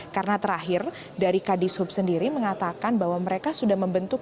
karena terakhir dari kadishub sendiri mengatakan bahwa mereka sudah membentuk